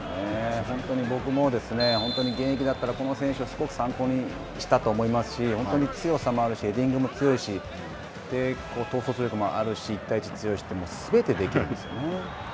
本当に僕も現役だったら、この選手はすごく参考にしたと思いますし、本当に強さもあるし、ヘディングも強いし、統率力もあるし、１対１が強いしって、すべてできるんですよね。